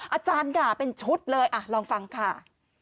อาจารย์ด่าเป็นชุดเลยลองฟังค่ะ